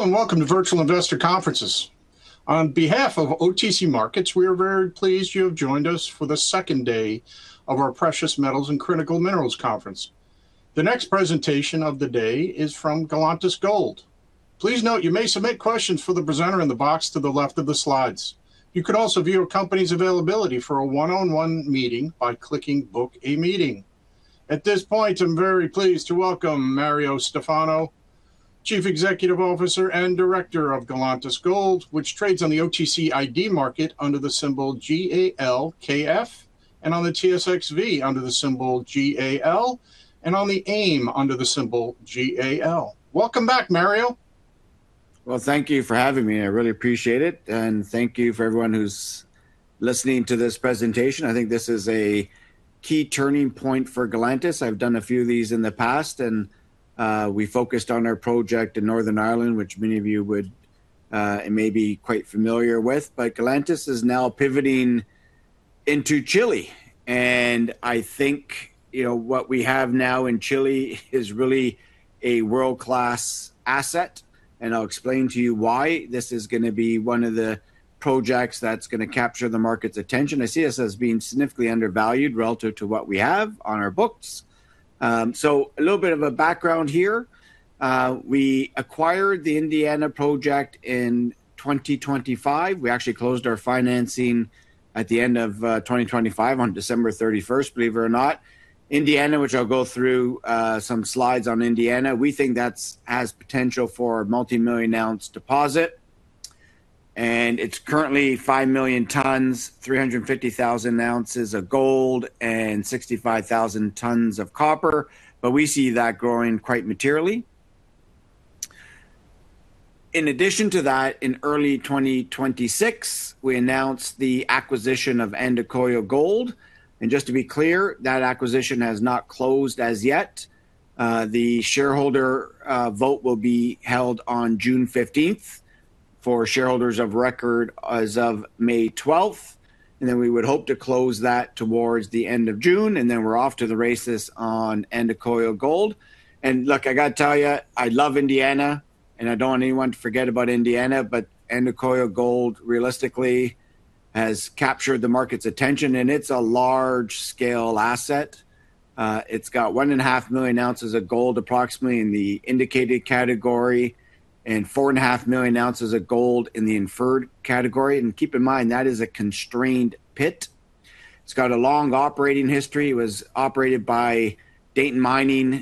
Hello, welcome to Virtual Investor Conferences. On behalf of OTC Markets, we are very pleased you have joined us for the second day of our Precious Metals & Critical Minerals Virtual Investor Conference. The next presentation of the day is from Galantas Gold. Please note you may submit questions for the presenter in the box to the left of the slides. You could also view a company's availability for a one-on-one meeting by clicking Book a Meeting. At this point, I'm very pleased to welcome Mario Stifano, Chief Executive Officer and Director of Galantas Gold, which trades on the OTCQX Exchange under the symbol GALKF, and on the TSX-V under the symbol GAL, and on the AIM under the symbol GAL. Welcome back, Mario. Well, thank you for having me. I really appreciate it. Thank you for everyone who's listening to this presentation. I think this is a key turning point for Galantas. I've done a few of these in the past, and we focused on our project in Northern Ireland, which many of you may be quite familiar with. Galantas is now pivoting into Chile. I think, you know, what we have now in Chile is really a world-class asset, and I'll explain to you why this is gonna be one of the projects that's gonna capture the market's attention. I see us as being significantly undervalued relative to what we have on our books. A little bit of a background here. We acquired the Andacollo project in 2025. We actually closed our financing at the end of 2025 on December 31st, believe it or not. Andacollo, which I will go through some slides on Andacollo, we think that has potential for a multi-million ounce deposit, and it's currently 5 million tons, 350,000 oz of gold, and 65,000 tons of copper. We see that growing quite materially. In addition to that, in early 2026, we announced the acquisition of Andacollo Gold. Just to be clear, that acquisition has not closed as yet. The shareholder vote will be held on June 15th, for shareholders of record as of May 12th. We would hope to close that towards the end of June. We're off to the races on Andacollo Gold. Look, I gotta tell you, I love Indiana, and I don't want anyone to forget about Indiana, Andacollo Gold realistically has captured the market's attention, and it's a large scale asset. It's got 1,500,000 oz of gold approximately in the indicated category, and 4,500,000 oz of gold in the inferred category. Keep in mind, that is a constrained pit. It's got a long operating history. It was operated by Dayton Mining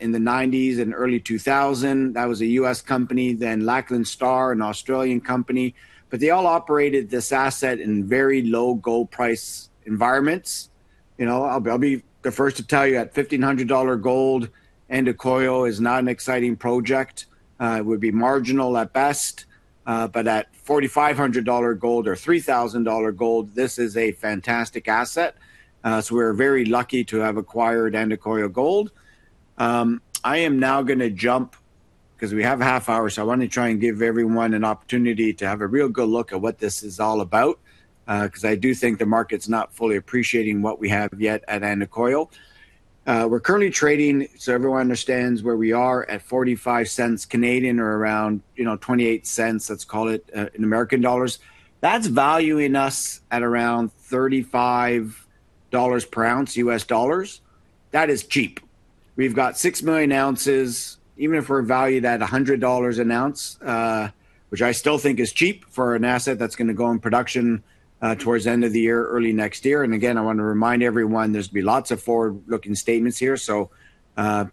in the '90s and early 2000. That was a U.S. company. Lachlan Star, an Australian company. They all operated this asset in very low gold price environments. You know, I'll be the first to tell you at 1,500 dollar gold, Andacollo is not an exciting project. It would be marginal at best. At $4,500 gold or $3,000 gold, this is a fantastic asset. We're very lucky to have acquired Andacollo Gold. I am now gonna jump, 'cause we have a half hour, I wanna try and give everyone an opportunity to have a real good look at what this is all about, 'cause I do think the market's not fully appreciating what we have yet at Andacollo. We're currently trading, everyone understands where we are, at 0.45 or around, you know, $0.28, let's call it, in American dollars. That's valuing us at around $35 per ounce US dollars. That is cheap. We've got 6,000,000 oz, even if we're valued at $100 an ounce, which I still think is cheap for an asset that's gonna go in production towards the end of the year or early next year. Again, I wanna remind everyone there's gonna be lots of forward-looking statements here.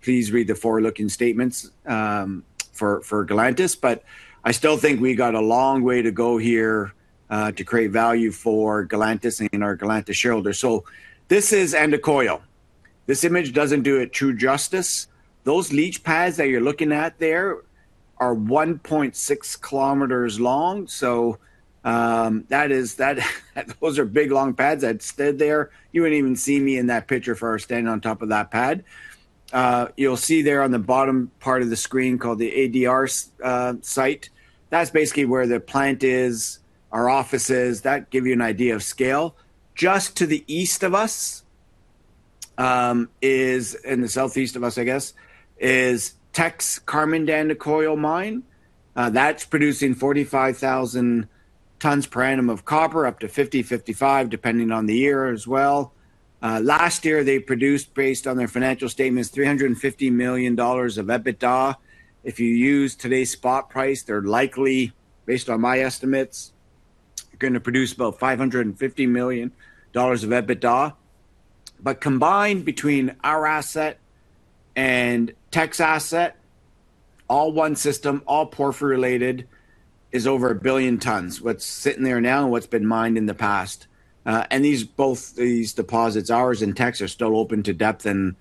Please read the forward-looking statements for Galantas. I still think we got a long way to go here to create value for Galantas and our Galantas shareholders. This is Andacollo. This image doesn't do it true justice. Those leach pads that you're looking at there are 1.6 km long. Those are big, long pads. I'd stood there. You wouldn't even see me in that picture if I were standing on top of that pad. You'll see there on the bottom part of the screen called the ADR site, that's basically where the plant is, our office is. That give you an idea of scale. Just to the east of us, is, in the southeast of us, I guess, is Teck's Carmen de Andacollo mine. That's producing 45,000 tons per annum of copper, up to 50,000, 55,000 depending on the year as well. Last year they produced, based on their financial statements, $350 million of EBITDA. If you use today's spot price, they're likely, based on my estimates, gonna produce about $550 million of EBITDA. Combined between our asset and Teck's asset, all one system, all porphyry related, is over 1 billion tons, what's sitting there now and what's been mined in the past. These, both these deposits, ours and Teck's, are still open to depth and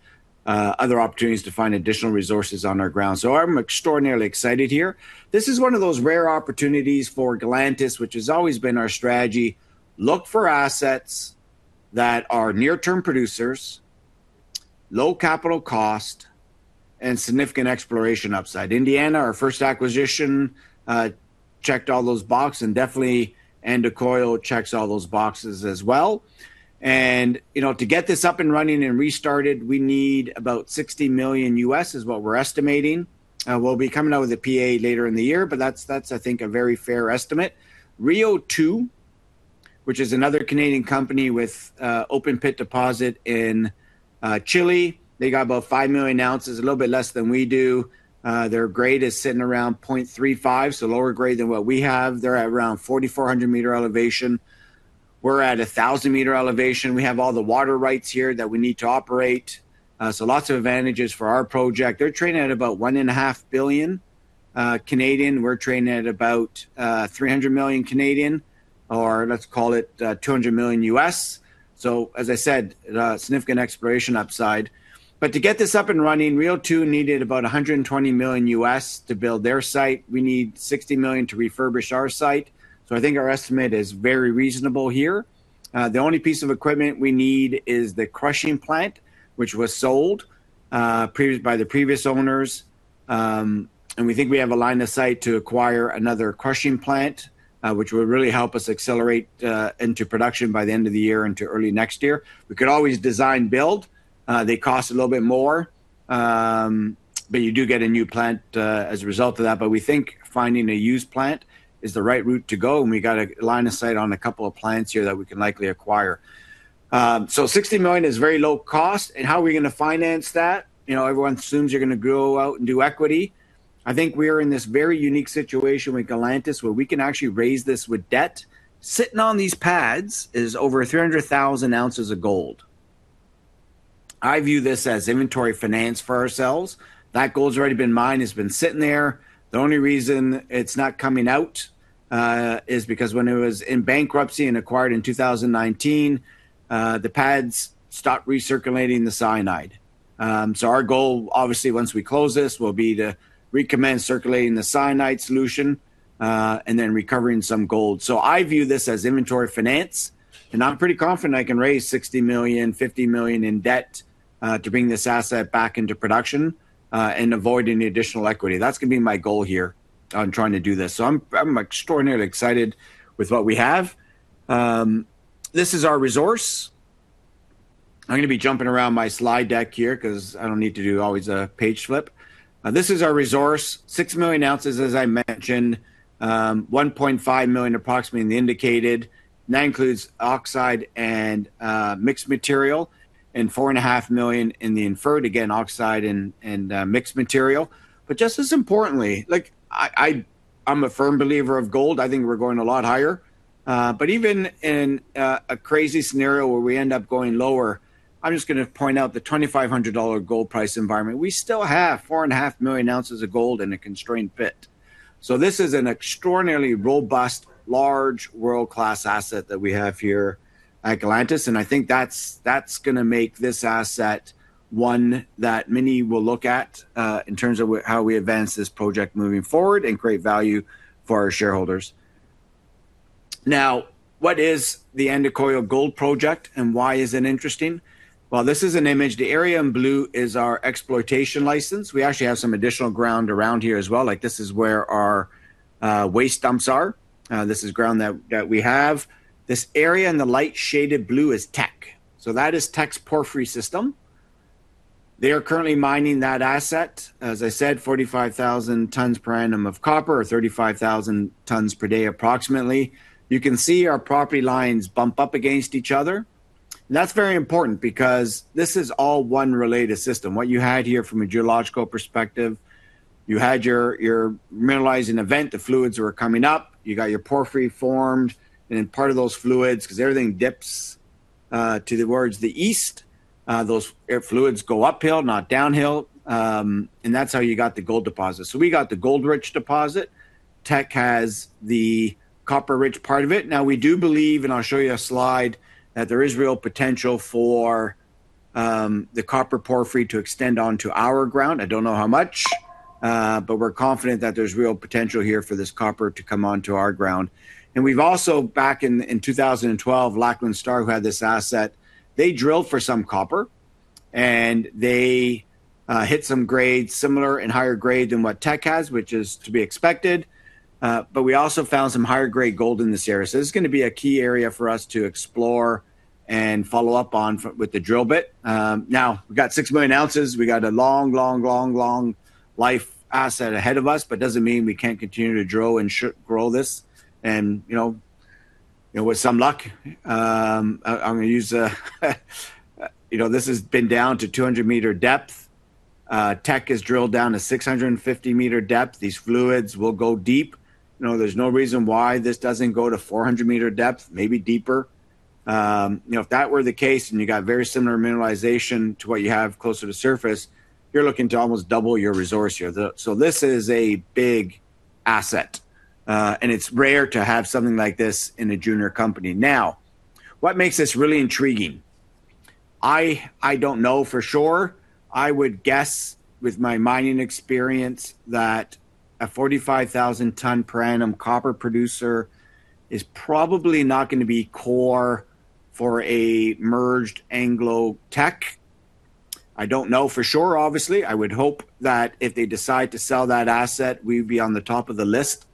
other opportunities to find additional resources on our ground. I'm extraordinarily excited here. This is one of those rare opportunities for Galantas, which has always been our strategy. Look for assets that are near-term producers, low capital cost, and significant exploration upside. Andacollo, our first acquisition, checked all those box, and definitely Andacollo checks all those boxes as well. You know, to get this up and running and restarted, we need about $60 million is what we're estimating. We'll be coming out with a PA later in the year, but that's, I think, a very fair estimate. Rio2, which is another Canadian company with a open pit deposit in Chile, they got about 5,000,000 oz, a little bit less than we do. Their grade is sitting around 0.35, so lower grade than what we have. They're at around 4,400 m elevation. We're at 1,000 m elevation. We have all the water rights here that we need to operate, lots of advantages for our project. They're trading at about 1.5 billion. We're trading at about 300 million, or let's call it $200 million. As I said, significant exploration upside. To get this up and running, Rio2 needed about $120 million to build their site. We need $60 million to refurbish our site, I think our estimate is very reasonable here. The only piece of equipment we need is the crushing plant, which was sold by the previous owners. We think we have a line of sight to acquire another crushing plant, which would really help us accelerate into production by the end of the year into early next year. We could always design build. They cost a little bit more, you do get a new plant as a result of that. We think finding a used plant is the right route to go, and we got a line of sight on two plants here that we can likely acquire. 60 million is very low cost. How are we gonna finance that? You know, everyone assumes you're gonna go out and do equity. I think we are in this very unique situation with Galantas where we can actually raise this with debt. Sitting on these pads is over 300,000 oz of gold. I view this as inventory finance for ourselves. That gold's already been mined. It's been sitting there. The only reason it's not coming out is because when it was in bankruptcy and acquired in 2019, the pads stopped recirculating the cyanide. Our goal, obviously once we close this, will be to recommence circulating the cyanide solution and then recovering some gold. I view this as inventory finance, and I'm pretty confident I can raise 60 million, 50 million in debt to bring this asset back into production and avoid any additional equity. That's gonna be my goal here on trying to do this. I'm extraordinarily excited with what we have. This is our resource. I'm gonna be jumping around my slide deck here 'cause I don't need to do always a page flip. This is our resource. 6,000,000 oz, as I mentioned. 1.5 million approximately in the indicated. And that includes oxide and mixed material, and 4.5 million in the inferred. Again, oxide and mixed material. Just as importantly, like, I'm a firm believer of gold. I think we're going a lot higher. Even in a crazy scenario where we end up going lower, I'm just gonna point out the $2,500 gold price environment. We still have 4,500,000 oz of gold in a constrained pit. This is an extraordinarily robust, large, world-class asset that we have here at Galantas, and I think that's gonna make this asset one that many will look at in terms of how we advance this project moving forward and create value for our shareholders. What is the Andacollo Gold Project, and why is it interesting? This is an image. The area in blue is our exploitation license. We actually have some additional ground around here as well, like this is where our waste dumps are. This is ground that we have. This area in the light shaded blue is Teck. That is Teck's porphyry system. They are currently mining that asset. As I said, 45,000 tons per annum of copper, or 35,000 tons per day approximately. You can see our property lines bump up against each other, and that's very important because this is all one related system. What you had here from a geological perspective, you had your mineralizing event. The fluids were coming up. You got your porphyry formed. Part of those fluids, 'cause everything dips towards the east, those ore fluids go uphill, not downhill. That's how you got the gold deposit. We got the gold-rich deposit. Teck has the copper-rich part of it. We do believe, and I'll show you a slide, that there is real potential for the copper porphyry to extend onto our ground. I don't know how much, we're confident that there's real potential here for this copper to come onto our ground. We've also, back in 2012, Lachlan Star, who had this asset, they drilled for some copper, and they hit some grades similar and higher grade than what Teck has, which is to be expected. We also found some higher grade gold in this area. This is gonna be a key area for us to explore and follow up on with the drill bit. Now we've got 6,000,000 oz. We got a long, long, long, long life asset ahead of us, but doesn't mean we can't continue to drill and grow this. You know, you know, with some luck, You know, this has been down to 200 m depth. Teck has drilled down to 650 m depth. These fluids will go deep. You know, there's no reason why this doesn't go to 400 m depth, maybe deeper. You know, if that were the case and you got very similar mineralization to what you have closer to surface, you're looking to almost double your resource here. This is a big asset, and it's rare to have something like this in a junior company. Now, what makes this really intriguing, I don't know for sure. I would guess with my mining experience that a 45,000 ton per annum copper producer is probably not gonna be core for a merged Anglo-Teck. I don't know for sure, obviously. I would hope that if they decide to sell that asset, we'd be on the top of the list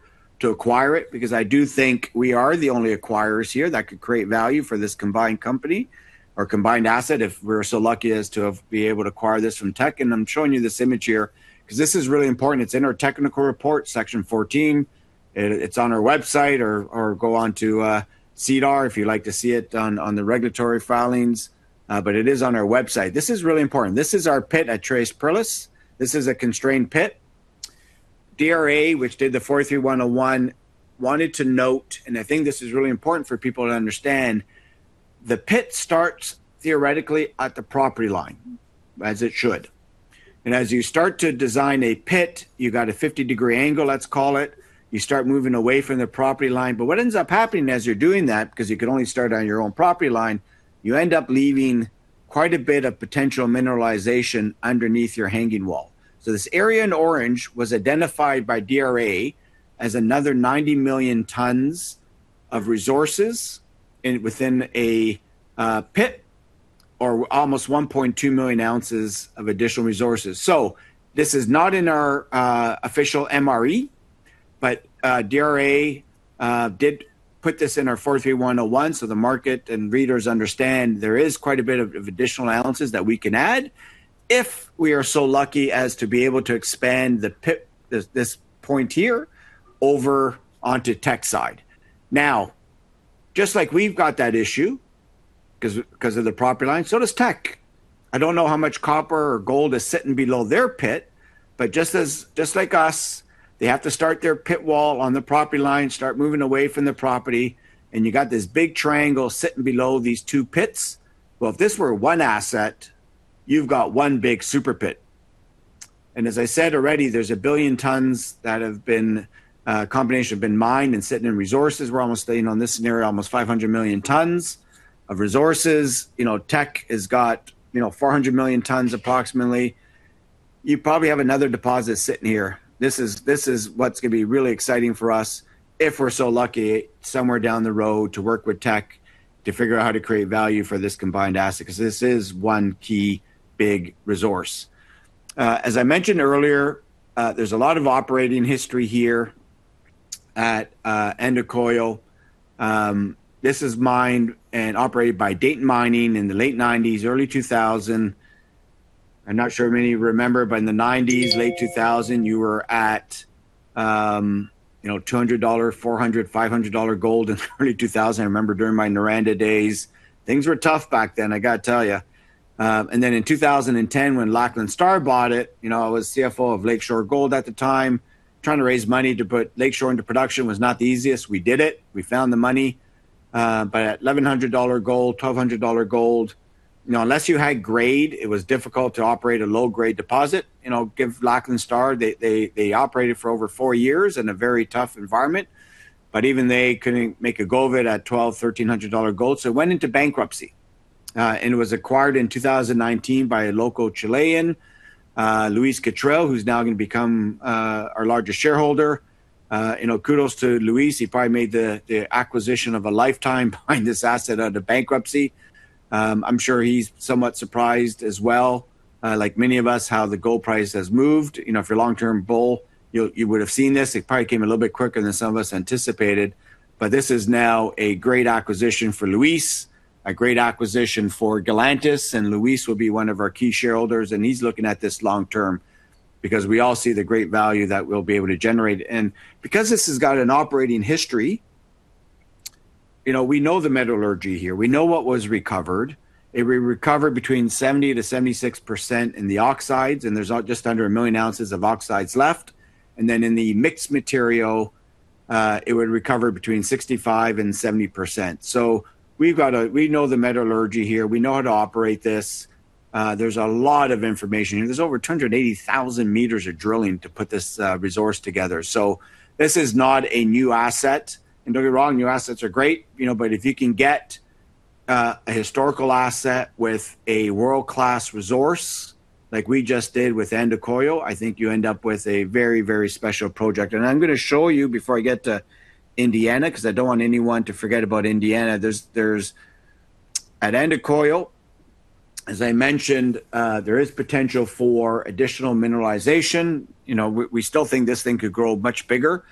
to acquire it, because I do think we are the only acquirers here that could create value for this combined company or combined asset, if we're so lucky as to have been able to acquire this from Teck. I'm showing you this image here 'cause this is really important. It's in our technical report, Section 14. It's on our website or go onto SEDAR if you'd like to see it on the regulatory filings. It is on our website. This is really important. This is our pit at Tres Perlas. This is a constrained pit. DRA, which did the 43-101 wanted to note, and I think this is really important for people to understand, the pit starts theoretically at the property line, as it should. As you start to design a pit, you got a 50-degree angle, let's call it, you start moving away from the property line. What ends up happening as you're doing that, 'cause you can only start on your own property line, you end up leaving quite a bit of potential mineralization underneath your hanging wall. This area in orange was identified by DRA as another 90 million tons of resources in, within a pit, or almost 1,200,000 oz of additional resources. This is not in our official MRE, but DRA did put this in our 43-101 so the market and readers understand there is quite a bit of additional ounces that we can add if we are so lucky as to be able to expand the pit, this point here, over onto Teck's side. Just like we've got that issue 'cause of the property line, so does Teck. I don't know how much copper or gold is sitting below their pit, but just as, just like us, they have to start their pit wall on the property line, start moving away from the property, and you got this big triangle sitting below these two pits. Well, if this were one asset, you've got one big super pit. As I said already, there's 1 billion tons that have been, combination have been mined and sitting in resources. We're almost sitting on this scenario, almost 500 million tons of resources. You know, Teck has got, you know, 400 million tons approximately. You probably have another deposit sitting here. This is what's gonna be really exciting for us if we're so lucky somewhere down the road to work with Teck to figure out how to create value for this combined asset, 'cause this is one key big resource. As I mentioned earlier, there's a lot of operating history here at Andacollo. This is mined and operated by Dayton Mining in the late 1990s, early 2000s. I'm not sure many remember, but in the 1990s, late 2000s, you were at, you know, 200 dollar, 400, 500 dollar gold in early 2000s. I remember during my Noranda days, things were tough back then, I gotta tell you. In 2010 when Lachlan Star bought it, you know, I was CFO of Lake Shore Gold at the time, trying to raise money to put Lake Shore into production was not the easiest. We did it. We found the money. At $1,100 gold, $1,200 gold, you know, unless you had grade, it was difficult to operate a low-grade deposit. You know, give Lachlan Star Limited, they operated for over four years in a very tough environment. Even they couldn't make a go of it at $1,200, $1,300 gold, so went into bankruptcy. It was acquired in 2019 by a local Chilean, Luis Catril, who's now gonna become our largest shareholder. You know, kudos to Luis. He probably made the acquisition of a lifetime buying this asset out of bankruptcy. I'm sure he's somewhat surprised as well, like many of us, how the gold price has moved. You know, if you're a long-term bull, you would've seen this. It probably came a little bit quicker than some of us anticipated, but this is now a great acquisition for Luis, a great acquisition for Galantas, and Luis will be one of our key shareholders, and he's looking at this long term because we all see the great value that we'll be able to generate. Because this has got an operating history, you know, we know the metallurgy here. We know what was recovered. It recovered between 70%-76% in the oxides, and there's just under 1,000,000 oz of oxides left. Then in the mixed material, it would recover between 65% and 70%. We know the metallurgy here. We know how to operate this. There's a lot of information here. There's over 280,000 m of drilling to put this resource together. This is not a new asset. Don't get me wrong, new assets are great, you know. If you can get a historical asset with a world-class resource like we just did with Andacollo, I think you end up with a very, very special project. I'm gonna show you before I get to Andacollo, 'cause I don't want anyone to forget about Andacollo. At Andacollo, as I mentioned, there is potential for additional mineralization. You know, we still think this thing could grow much bigger.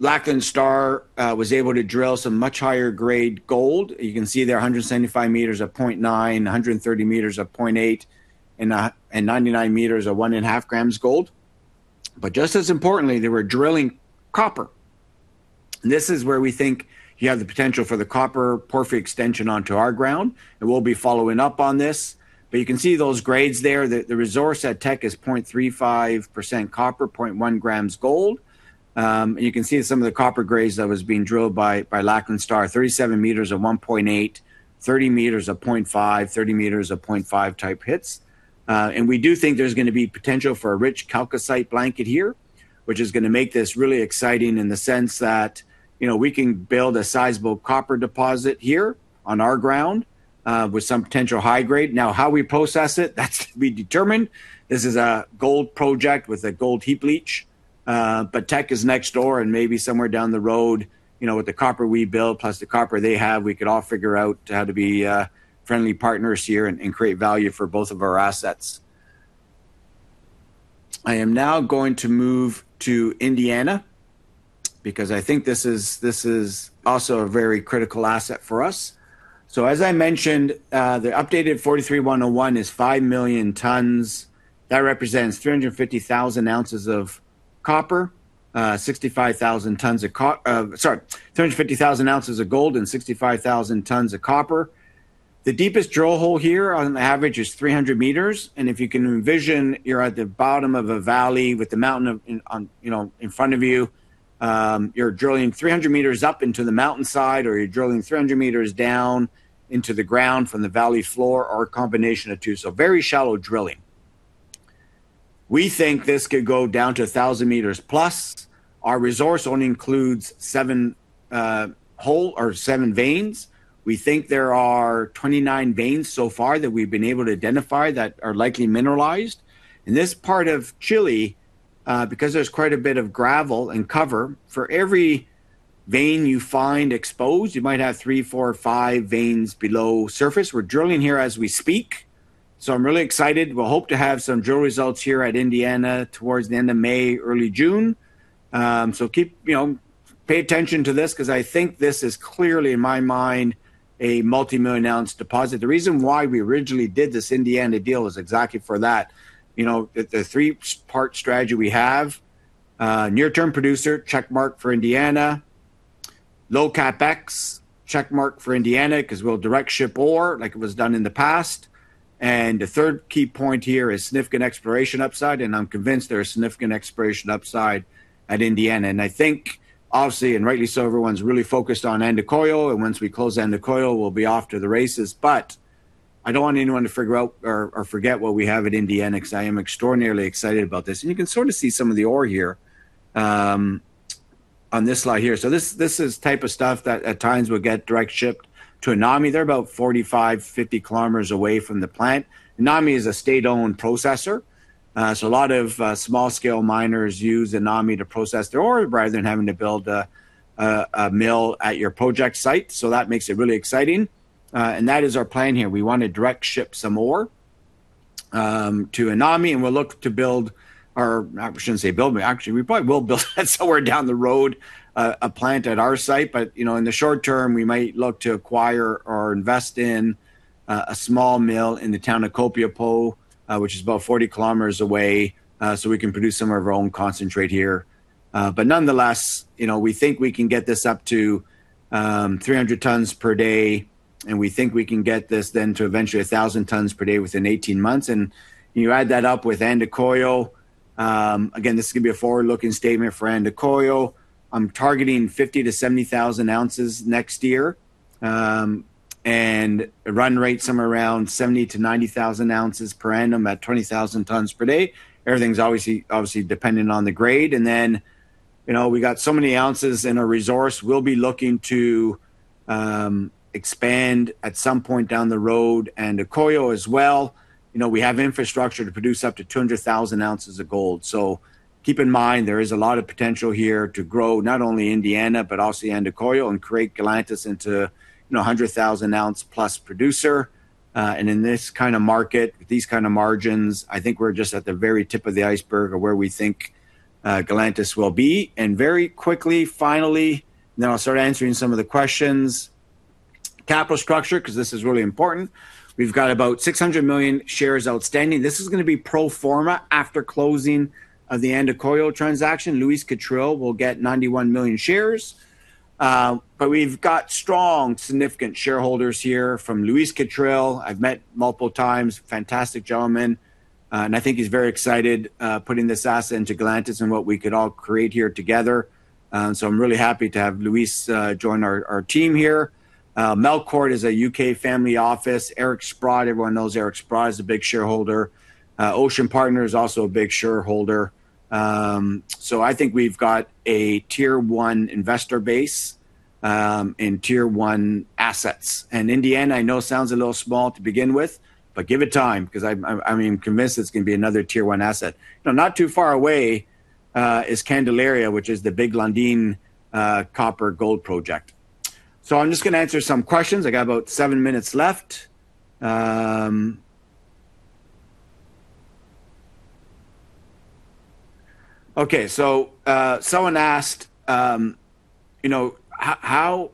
Lachlan Star was able to drill some much higher grade gold. You can see their 175 m of 0.9, 130 m of 0.8, and 99 m of 1.5 g gold. Just as importantly, they were drilling copper. This is where we think you have the potential for the copper porphyry extension onto our ground, and we'll be following up on this. You can see those grades there. The resource at Teck is 0.35% copper, 0.1 g gold. You can see some of the copper grades that was being drilled by Lachlan Star, 37 m of 1.8, 30 m of 0.5, 30 m of 0.5 type hits. We do think there's gonna be potential for a rich chalcocite blanket here, which is gonna make this really exciting in the sense that, you know, we can build a sizable copper deposit here on our ground, with some potential high grade. How we process it, that's to be determined. This is a gold project with a gold heap leach. Teck is next door, and maybe somewhere down the road, you know, with the copper we build plus the copper they have, we could all figure out how to be friendly partners here and create value for both of our assets. I am now going to move to Andacollo, because I think this is also a very critical asset for us. As I mentioned, the updated 43-101 is 5 million tons. That represents 350,000 oz of gold and 65,000 tons of copper. The deepest drill hole here on the average is 300 m, and if you can envision you're at the bottom of a valley with the mountain of, in, on, you know, in front of you're drilling 300 m up into the mountainside or you're drilling 300 m down into the ground from the valley floor, or a combination of two, so very shallow drilling. We think this could go down to 1,000 m+. Our resource only includes seven hole or seven veins. We think there are 29 veins so far that we've been able to identify that are likely mineralized. In this part of Chile, because there's quite a bit of gravel and cover, for every vein you find exposed, you might have three, four, or five veins below surface. We're drilling here as we speak, so I'm really excited. We'll hope to have some drill results here at Andacollo towards the end of May, early June. Keep, you know, pay attention to this 'cause I think this is clearly in my mind a multi-million-ounce deposit. The reason why we originally did this Andacollo deal is exactly for that. You know, the three part strategy we have, near term producer, check mark for Andacollo, low CapEx, check mark for Andacollo, 'cause we'll direct ship ore like it was done in the past, the third key point here is significant exploration upside, I'm convinced there is significant exploration upside at Andacollo. I think obviously, and rightly so, everyone's really focused on Andacollo, once we close Andacollo, we'll be off to the races. I don't want anyone to figure out or forget what we have at Andacollo, because I am extraordinarily excited about this. You can sort of see some of the ore here on this slide here. This is type of stuff that at times would get direct shipped to ENAMI. They're about 45km, 50 km away from the plant. ENAMI is a state-owned processor, a lot of small-scale miners use ENAMI to process their ore rather than having to build a mill at your project site, that makes it really exciting. That is our plan here. We want to direct ship some ore to ENAMI, we'll look to build our, I shouldn't say build, but actually we probably will build somewhere down the road, a plant at our site. You know, in the short term, we might look to acquire or invest in a small mill in the town of Copiapó, which is about 40 km away, so we can produce some of our own concentrate here. Nonetheless, you know, we think we can get this up to 300 tons per day, and we think we can get this then to eventually 1,000 tons per day within 18 months. You add that up with Andacollo, again, this is gonna be a forward-looking statement for Andacollo. I'm targeting 50,000 oz-70,000 oz next year, and a run rate somewhere around 70,000 oz-90,000 oz per annum at 20,000 tons per day. Everything's obviously dependent on the grade. You know, we got so many ounces in our resource, we'll be looking to expand at some point down the road Andacollo as well. You know, we have infrastructure to produce up to 200,000 oz of gold. Keep in mind there is a lot of potential here to grow not only Ireland, but also Andacollo, and create Galantas into, you know, 100,000 oz+ producer. In this kind of market with these kind of margins, I think we're just at the very tip of the iceberg of where we think Galantas will be. Very quickly, finally, I'll start answering some of the questions, capital structure, 'cause this is really important. We've got about 600 million shares outstanding. This is gonna be pro forma after closing of the Andacollo transaction. Luis Catril will get 91 million shares. We've got strong, significant shareholders here from Luis Catril I've met multiple times, fantastic gentleman, and I think he's very excited, putting this asset into Galantas and what we could all create here together. I'm really happy to have Luis join our team here. Melquart is a U.K. family office. Eric Sprott, everyone knows Eric Sprott. He's a big shareholder. Ocean Partners, also a big shareholder. I think we've got a Tier 1 investor base, and Tier 1 assets. Andacollo I know sounds a little small to begin with, but give it time, 'cause I'm, I mean, convinced it's gonna be another Tier 1 asset. You know, not too far away, is Candelaria, which is the big Lundin copper gold project. I'm just gonna answer some questions. I got about seven minutes left. Someone asked, you know, how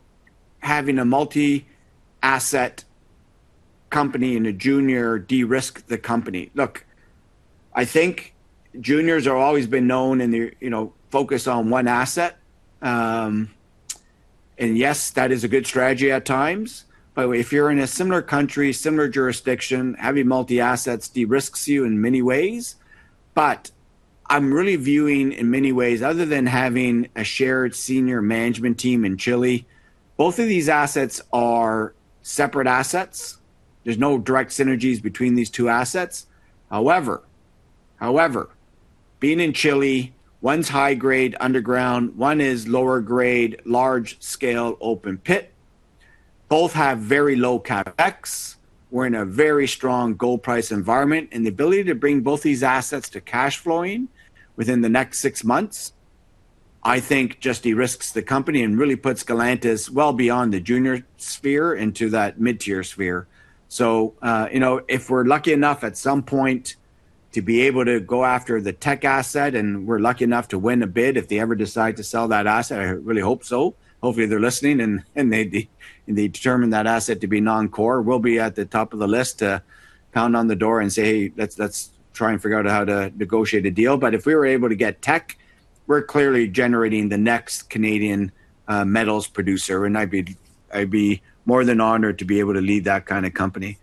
having a multi-asset company and a junior de-risk the company? Look, I think juniors have always been known in their, you know, focus on one asset. Yes, that is a good strategy at times. By the way, if you're in a similar country, similar jurisdiction, having multi-assets de-risks you in many ways. I'm really viewing in many ways, other than having a shared senior management team in Chile, both of these assets are separate assets. There's no direct synergies between these 2 assets. However, being in Chile, 1's high grade underground, 1 is lower grade, large scale open pit. Both have very low CapEx. We're in a very strong gold price environment, and the ability to bring both these assets to cash flowing within the next six months, I think just de-risks the company and really puts Galantas well beyond the junior sphere into that mid-tier sphere. You know, if we're lucky enough at some point to be able to go after the Teck asset and we're lucky enough to win a bid if they ever decide to sell that asset, I really hope so. Hopefully, they're listening and they determine that asset to be non-core. We'll be at the top of the list to pound on the door and say, let's, let's try and figure out how to negotiate a deal. If we were able to get Teck, we're clearly generating the next Canadian metals producer, and I'd be more than honored to be able to lead that kind of company.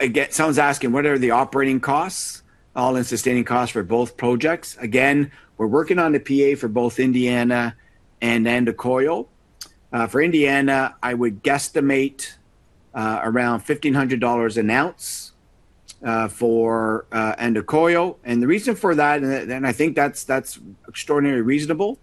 Again, someone's asking, what are the operating costs, all-in sustaining costs for both projects? Again, we're working on the PA for both Indiana and Andacollo. For Indiana, I would guesstimate around 1,500 dollars an ounce for Andacollo, and the reason for that, and I think that's extraordinarily reasonable.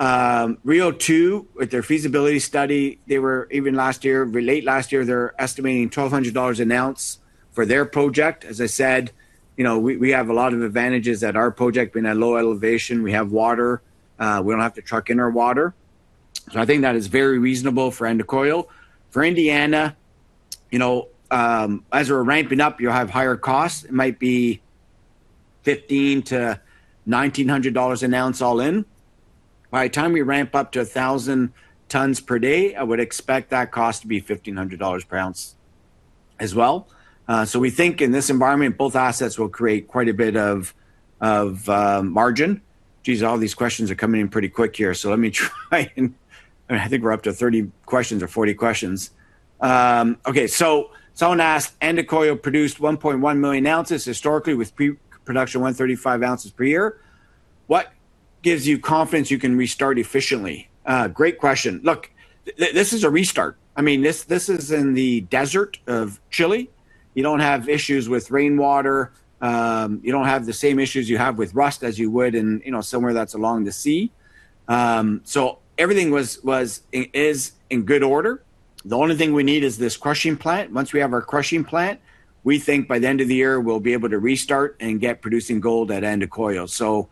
Rio 2, with their feasibility study, they were even last year, late last year, they were estimating 1,200 dollars an ounce for their project. As I said, you know, we have a lot of advantages at our project being at low elevation. We have water. We don't have to truck in our water. I think that is very reasonable for Andacollo. For Andacollo, you know, as we're ramping up, you'll have higher costs. It might be 1,500-1,900 dollars an ounce all in. By the time we ramp up to 1,000 tons per day, I would expect that cost to be 1,500 dollars per ounce as well. We think in this environment, both assets will create quite a bit of margin. Geez, all these questions are coming in pretty quick here, let me try and I think we're up to 30 questions or 40 questions. Okay, someone asked, Andacollo produced 1,100,000oz historically with production 135 oz per year. What gives you confidence you can restart efficiently? Great question. Look, this is a restart. I mean, this is in the desert of Chile. You don't have issues with rainwater. You don't have the same issues you have with rust as you would in, you know, somewhere that's along the sea. Everything was in good order. The only thing we need is this crushing plant. Once we have our crushing plant, we think by the end of the year we'll be able to restart and get producing gold at Andacollo.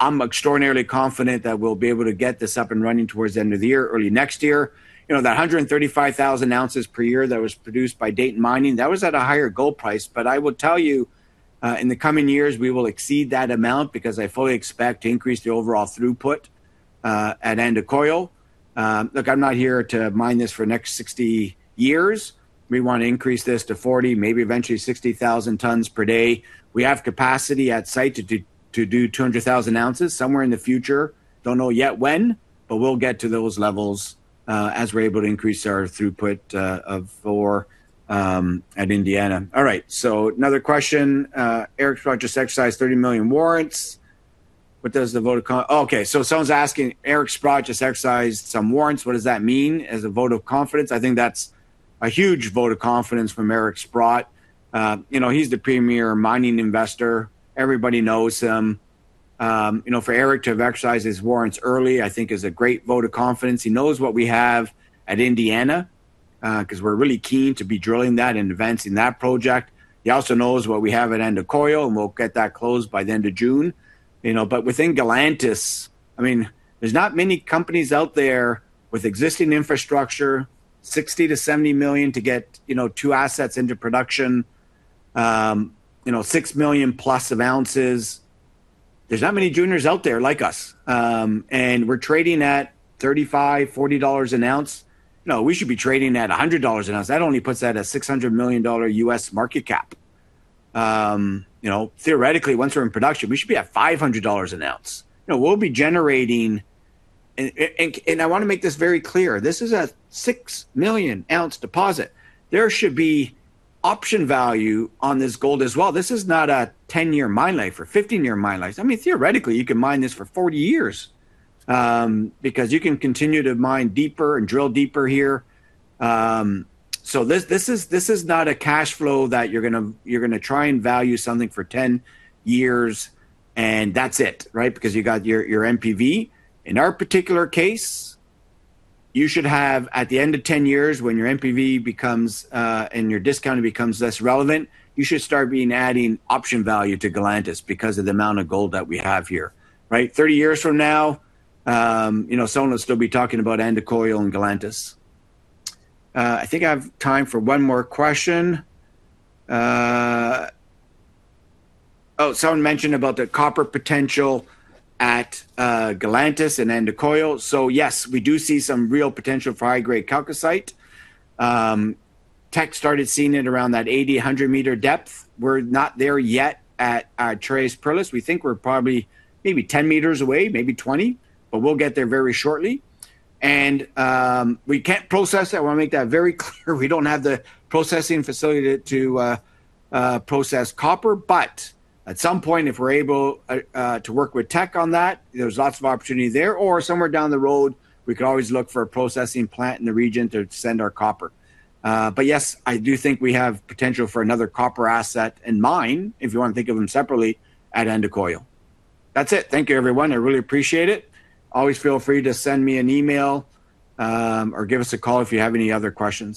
I'm extraordinarily confident that we'll be able to get this up and running towards the end of the year, early next year. You know, that 135,000 oz per year that was produced by Dayton Mining, that was at a higher gold price. I will tell you, in the coming years, we will exceed that amount because I fully expect to increase the overall throughput at Andacollo. Look, I'm not here to mine this for the next 60 years. We want to increase this to 40, maybe eventually 60,000 tons per day. We have capacity at site to do 200,000 oz somewhere in the future. Don't know yet when, we'll get to those levels as we're able to increase our throughput of ore at Andacollo. All right. Another question, Eric Sprott just exercised 30 million warrants. Someone's asking, Eric Sprott just exercised some warrants. What does that mean as a vote of confidence? I think that's a huge vote of confidence from Eric Sprott. You know, he's the premier mining investor. Everybody knows him. You know, for Eric to have exercised his warrants early I think is a great vote of confidence. He knows what we have at Andacollo, 'cause we're really keen to be drilling that and advancing that project. He also knows what we have at Andacollo, and we'll get that closed by the end of June. You know, within Galantas, I mean, there's not many companies out there with existing infrastructure, 60 million-70 million to get, you know, two assets into production, you know, 6,000,000 oz. There's not many juniors out there like us. We're trading at $35-$40 an ounce. We should be trading at $100 an ounce. That only puts that at a $600 million U.S. market cap. You know, theoretically, once we're in production, we should be at $500 an ounce. You know, we'll be generating. I wanna make this very clear, this is a 6,000,000 oz deposit. There should be option value on this gold as well. This is not a 10-year mine life or 15-year mine life. I mean, theoretically, you can mine this for 40 years because you can continue to mine deeper and drill deeper here. This is not a cash flow that you're gonna try and value something for 10 years and that's it, right? You got your NPV. In our particular case, you should have, at the end of 10 years when your NPV becomes and your discount becomes less relevant, you should start being adding option value to Galantas because of the amount of gold that we have here. Right? 30 years from now, you know, someone will still be talking about Andacollo and Galantas. I think I have time for one more question. Someone mentioned about the copper potential at Galantas and Andacollo. Yes, we do see some real potential for high-grade chalcocite. Teck started seeing it around that 80 m-100 m depth. We're not there yet at Tres Perlas. We think we're probably maybe 10 m away, maybe 20 m, but we'll get there very shortly. We can't process that. I wanna make that very clear. We don't have the processing facility to process copper. At some point, if we're able to work with Teck on that, there's lots of opportunity there, or somewhere down the road we could always look for a processing plant in the region to send our copper. Yes, I do think we have potential for another copper asset and mine, if you wanna think of them separately, at Andacollo. That's it. Thank you, everyone. I really appreciate it. Always feel free to send me an email, or give us a call if you have any other questions.